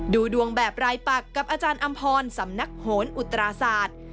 ดูดวงแบบรายปักกับอาจารย์อำพรสำนักโหนอุตราศาสตร์